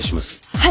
はい！